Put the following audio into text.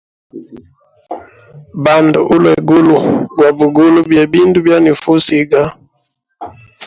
Banda ulwegulu gwa bugule bebindu byanifa usiga.